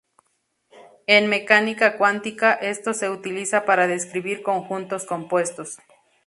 En mecánica cuántica, esto se utiliza para describir conjuntos compuestos.